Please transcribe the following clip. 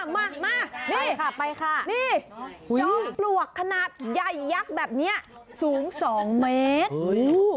มานี่จอมปลวกขนาดใหญ่ยักษ์แบบนี้สูง๒เมตร